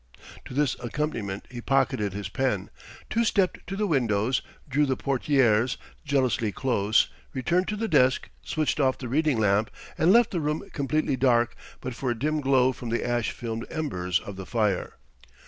To this accompaniment he pocketed his pen, two stepped to the windows, drew the portières jealously close, returned to the desk, switched off the reading lamp, and left the room completely dark but for a dim glow from the ash filmed embers of the fire.